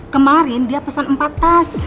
kemarin dia pesan empat tas